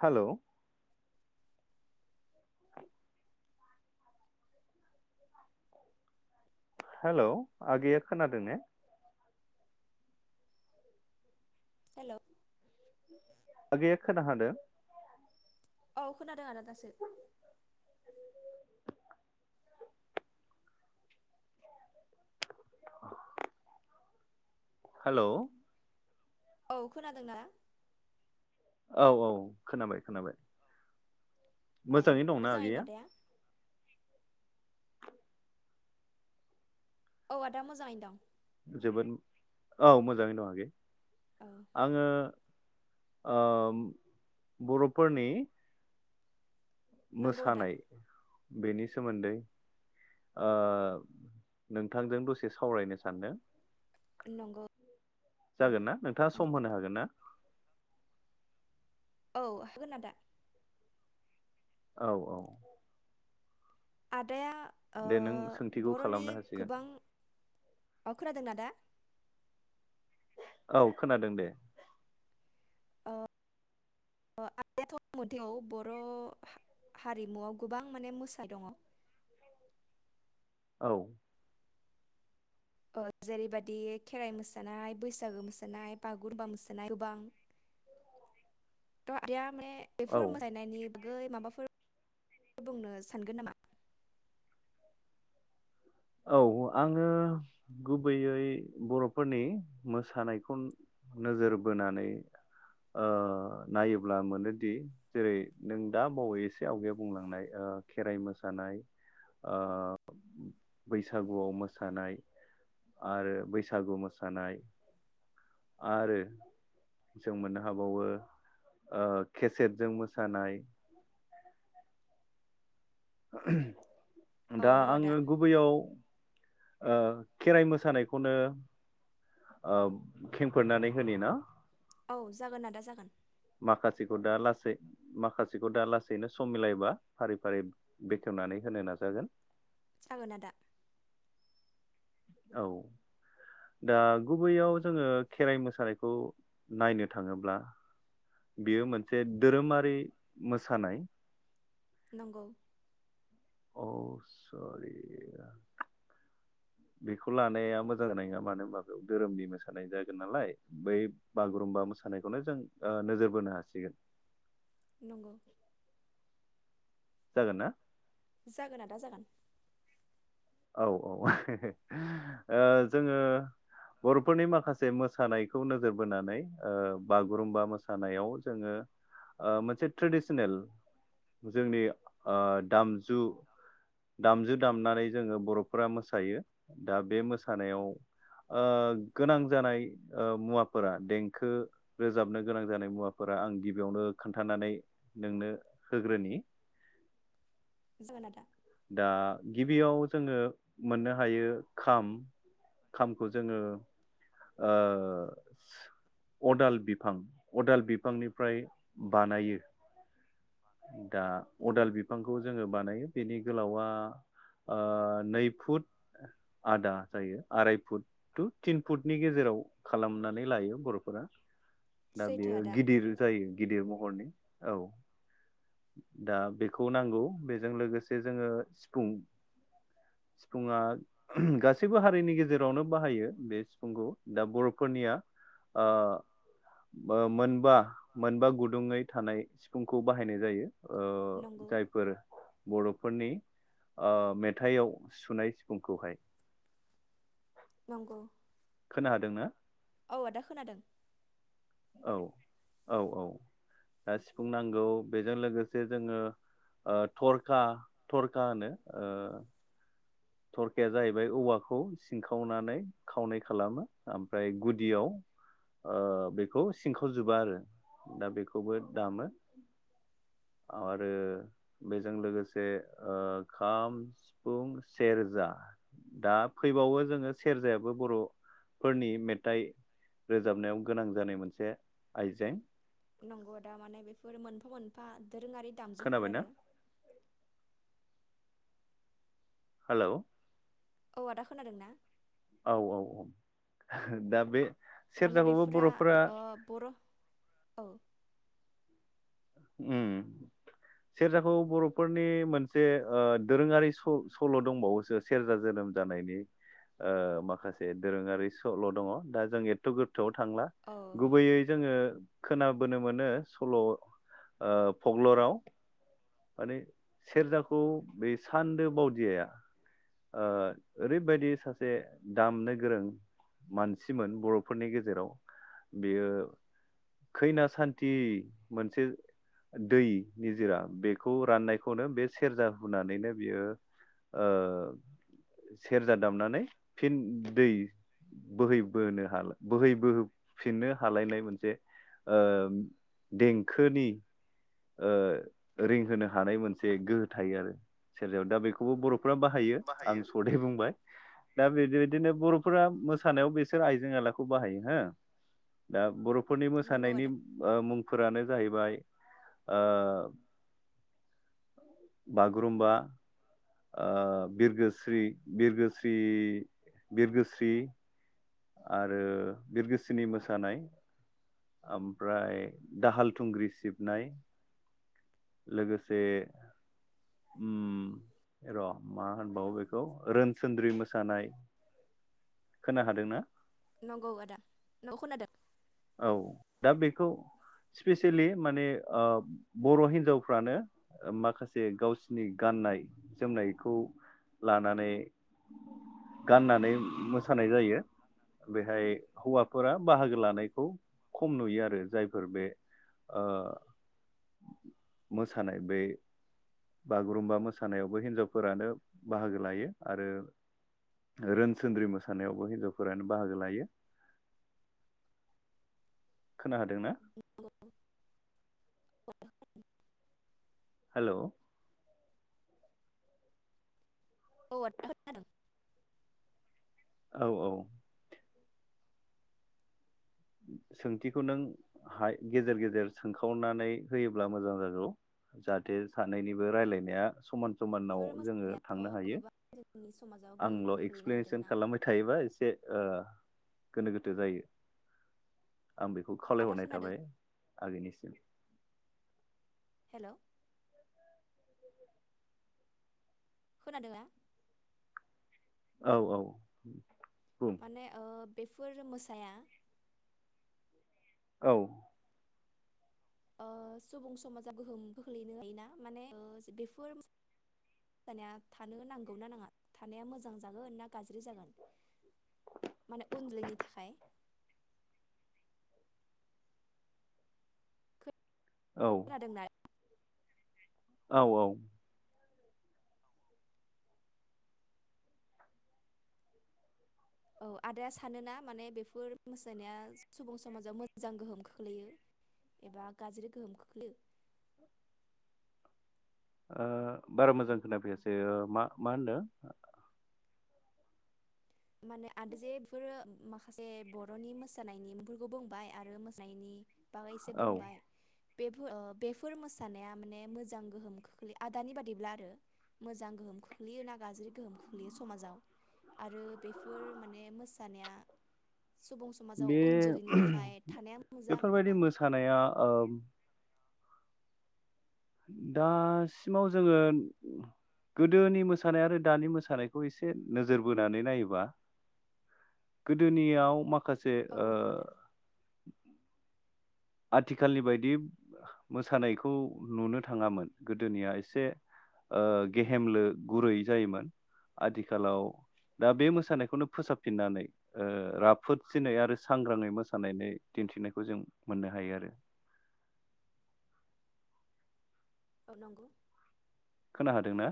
हेल'। [inaudible] Hello आगैया खोनादों ने। हेल'। आगैया खोना हांदो। औ खोनादों आदा दासो। [inaudible] हेल'। औ खोनादोंना? औ औ खोनाबाय खोनाबाय। अ मोजाङै दंना मोजाङैनो आगैया? दं आदाया औ आदा मोजाङैनो दं। जोबोद औ मोजाङै दङ आगै। औ आङो ओ बर'फोरनि नंगौ आदा मोसानाय बेनि सोमोन्दै ओ नोंथांजों दसे सावरायनो सानदों नंगौ औ जागोन ना नोंथाङा माने सम होनो हागोन ना? औ होगोन आदा। औ औ। आदाया ओ दे नों सोंथिखौ बर'नि खालामनो हासिगोन। दा? औ खोनादों दे, ओ ओ आदायाथ' बबे मायथायाव बर' हारिमुआव गोबां माने मोसा दङ औ। ओ जेरैबायाददि खेराइ मोसानाय बैसागो मोसानाय बागुरुम्बा मोसानाय गोबां थ आदाया माने बेफोर औ मोसानायनायनि बागै माबाफोर बुंनो सानगोन नामा? औ आङो गुबैयै बर'फोरनि मोसानायखौ नोजोर बोनानै ओ नायोब्ला मोनोदि जेरै नों दा बावै एसे आवगायाव बुंलांनाय खेराइ मोसानाय बैसागुआव मोसानाय आरो बैसागु मोसानाय आरो जों मोननो हाबावो ओ केसेटजों मोसानाय [inaudible] औ दा नंगौ आदा आङो गुबैयाव ओ खेराइ मोसानायखौनो ओ खेंफोरनानै होनि ना? औ जागोन आदा जागोन। माखासेखौ दा लाै माखासेखौ दा लासैनो सम मिलायबा फारि-फारि बेखेवनानै होनो नाजागोन। जागोन आदा। औ दा गुबैयाव जोङो खेराइ मोसानायखौ नायनो थाङोब्ला बेयो मोनसे धोरोमारि मोसानाय। नंगौ औ सरि बेखौ लानाया मोजां जानाय नङा मानो होनबा बे धोरोमनि मोसानाय जागोन नालाय बै बागुरुम्बा मोसानायखौनो जों नोजोर बोनो हासिगोन। नंगौ जागोन ना जागोन आदा जागोन। औ-औ जोङो बरफोरनि माखासे मोसानायखौ नोजोर बोनानै बागुरुमबा मोसानायाव। जोङो मोनसे ट्रेडसनेल जोंनि ओ दाम -जु दामजिद दामनानै जोङो बरफोरा मोसायो दा बे मोसानायाव ओ गोनां जानाय मुवाफोरा देंखो रोजाबनो गोनां जानाय मुवाफोरा आं गिबियावनो खोन्थानानै नोंनो होग्रोनि। जागोन दा दा गिबियाव जोङो मोननो हायो खाम खामखौ जोङो ओ अदाल बिफां अदाल बिफ बिफांनिफ्राय बानायो दा अदाल नंगौ बिफांखौ जोङो बानायो। बिनि गोलावा ओ नै फुट आदा जायो आराय फुट टु थिन फुटनि गेजेराव खालामनानै लायो बरफोरा। दा सैथो बेयो आदा गिदिर जायो। गिदिर महरनि औ दा बेखौ नांगौ बेजों लोगोसे जोङो सिफुं सिफुुंआ गासैबो हारिनि गेजेरावनो बाहायो बे सिफुंखौ दा बरफोरनिया मोनबा। मोनबा गुदुङै थानाय सिफुंखौ बाहायनाय जायो। ओ नंगौ जायफोर बरफोरनि ओक्षमेथाइआव सुनाय सिफुंखौहाय। नंगौ खोना हादोंना औ आदा खोनादों। औ औ औ दा सिफुं नांगौ बेजों लोगोसे जोङो थरखा थरखा होनो ओ थरखिाया जाहैबाय औवाखौ सिंखावनानै खावै खालामो ओमफ्राय गुदियाव ओ बेखौ सिनखावजोबा आरो दा बेखौबो दामो आरो बेजों लोगोसे ओ खाम सिफुं। सेरजा दा फैबावो जोङो सेरजायाबो बर'फोरनि मेथाइ रोजाबनायाव गोनां जानाय मोनसे आइजें नंगौ दा माने बेफोर मोनफा मोनफा दोरोङारि दामजुफोर खोनाबायना आरो हेलौ औ आदा खोनादों ना? औ औ औ दा बे माने सेरजाखौबो बेफोरा बर'फोरा ओ बर औ उम सेरजाखौ बरफोरनि मोनसे ओ दोरोङारि स-सल दंबावोसो सेरजा जोनोम जानायनि ओ माखासे दोरोङारि सल दङ दा जों एथ गोथौ गोथौआव थांला औ गुबैयै जोङो खोनाबोनो मोनो सल ओ फग्लराव माने सेरजाखौ बे सान्दो बावदियाया ओ ओरैबायदि सासे दामनो गोरों मानसिमोन बरफोरनि गेजेराव बियो खैना सान्थि मोनसे दै निजिरा बेखौ राननायखौनो बे सेरजा हुानैनो बियो ओ सेरजा दामनानै फिन दै बोहै बोनो बोहै बोहोफिननो हालायनाय मोनसे ओ देंखोनि ओ रिंहोनो हानाय मोनसे गोहो थायो आरो सेरजायाव दा बेखौबो बर फ्रा बाहायो आं सदै बुंबाय दा बे बेबायदिनो बरफोरा मोसानायाव बिसोर आइजें आइलाखौ बाहायो हा दा बर फोरनि नंगौ मोसानायनि आदा ओ मुं फोरानो जाहैबाय ओ बागुरुम्बा। ओ बिरगोस्रि बिरगोस्रि बिरगोस्रि आरो बिरगोस्रिनि मोसानाय ओमफ्राय दाहाल थुंग्रि सिबनाय। लोगोसे उम र मा होनबावो बेखौ रोनसोनद्रि मोसानाय खोना हादोंना? नंगौ आदा [unintelligible] औ दा बेखौ स्पेसियेलि माने ओबर हिन्जावफ्रानो माखासे गावसिनि गाननाय जोमनायखौ लानानै गाननानै मोसानाय जायो बेहाय हौवा फोर बाहागो लानाय खौ खम नुयो आरो जायफोर बे ओ मोसानाय बे बागुरुम्बा मोसानायावबो हिनजावफोरानो बाहागो लायो आरो रोनसोनद्रि मोसानायावबो हिनजावफोरानो बाहागो लायो। खोनादोंना? [unintelligible] हेलौ। औ आदा खोनादों। औ-औ सोंथिखौ नों हाय गेजेर गेजेर सोंखावनानै होयोब्ला मोजां जागौ जाहाथे सानैनिबो रायलायनाया समान समानाव बेफोर जोङो मोसानायाथ' थांनो हायो गोबां जोंनि समाजाव गोहोम आंल खोलैनो एक्सप्लेनेसन हादोंना खालामबाय थायोबा एसे ओ गोनो गोथो जायो। आं बेखौ आदा खावलायहरनाय खोनादों थाबाय आगैनिसिम। हेलौ। खोनादों ना? औ-औ माने ओ बेफोर मोसाया औ। ओ सुबुं समाजा गोहोम खोख्लैनो हायोना माने बेफोर मोसानाया थानो नांगौ ना नाङा थानाया मोजां जागोन ना गाज्रि जागोन माने उन्दैनि थाखाय? खोनादोंना? औ-औ औ आदाया सानो ना माने बेफोर मोसानाया सुबुं समाजाव मोजां गोहोम खोख्लैयो एबा गाज्रि गोहोम खोख्लैयो। बारा मोजां खोनाफैयासै मा मा होनदों? [unintelligible] माखासे बर'नि मोसानायनि मुंफोरखौ बुंबाय आरो मोसानायनि बागै एसे औ बुंबाय बेफो ओ बेफोर मोसानाया माने मोजां गोहोम खोख्लै आदानि बादिब्ला आरो मोजां गोहोम खोख्लैयो ना गाज्रि गोहोम खोख्लैयो समाजाव आरो बेफोर माने मोसानाया सुबुं समाजाव बे उन जोलैनि थाखाय थानाया मोजां बेफोरबायदि ना मोसानाया ओ दासिमाव जोङो गोदोनि मोसानाय आरो दानि मोसानायखौ एसे नोजोर बोनानै नायोबा गोदोनियाव माख खासे औ ओ नंगौ आदा आथिखालनि बायदि मोसानायखौ नुनो थाङामोन गोदोनिया एसे ओ गेहेमलो गुरै जायोमोन आथिखालाव दा बे मोसानायखौनो फोसाबफिननानै ओ राफोदसिनै आरो सांग्राङै मोसानायानानै दिन्थिनायखौ जों मोननो हायो आरो औ नंगौ होनो हादोंना?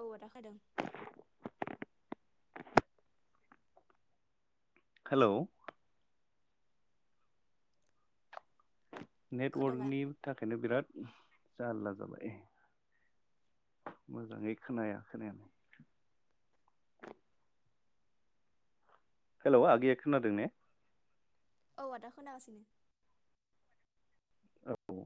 औ आदा होदों। हेलौ खोनादों आ नेटवर्कनि थाखायनो बिराद जालला जाबाय मोजाङै खोनाया खोनायाखोनो हेलौ आगैया खोनादों ने? औ आदा खोनागासिनो औ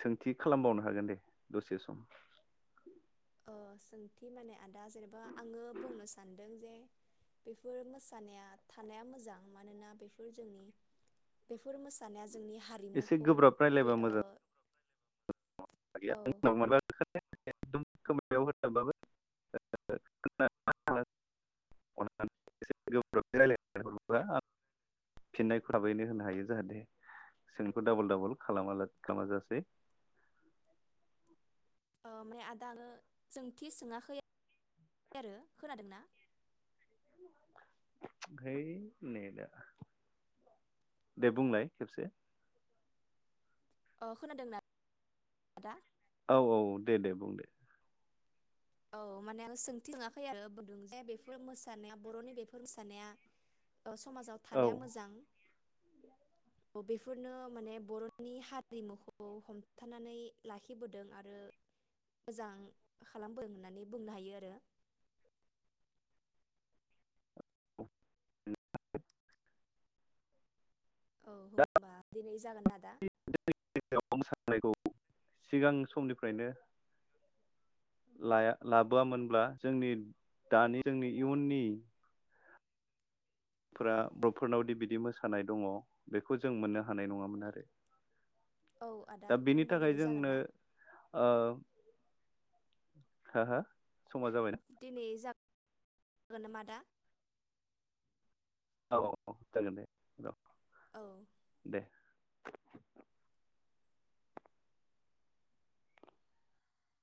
सोंथि खालामबावनो हागोन दे दसे सम ओ सोंथि माने आदा जेनेबा आङो बुंनो सानदों जे बेफोर मोसानाया थानाया मोजां मानोना बेफोर जोंनि बेफोर मोसानाया जोंनि एसे हारिमुखौ गोब्राब बे रायलायबा ओ मोजां औ [unintelligible] [unintelligible] फिननायखौ थाबैनो होनो हायो जाहाथे सोंखौ डाबल डाबल खालामाला खालामाजासे ओ माने आदा आङो सोंथि सोङाखै आरो खोनादोंना? है नेदा दे बुंलाय खेबसे अ खोनादों ना आदा? औ औ दे दे बुंदे औ माने आं सोंथि सोङाखै आरो बुंदों जे बेफोर मोसानाया बर'नि बेफोर मोसानाया ओ समाजाव औ थानाया मोजां बेफोरनो माने बर'नि हारिमुखौ हमथानानै लाखिबोदों आरो मोजां खालामबोदों होननानै बुंनो हायो आरो औ होनबा दिनै जागोन ना दा? खौ सिगां समनिफ्रायनो लाया लाबोआ मोनब्ला जोंनि दानि जोंनि इयुननि फोरा बर'फोरनावदि बिदि मोसानाय दङ बेखौ जों मोननो हानाय नङामोन आरो औ आदा दा बेनि होमबा थाखाय दिनै जागोन जोंनो ना ओ हो हो समा जाबायना? गोन नामा आ दा? औ औ गोजोनथों औ औ [inaudible]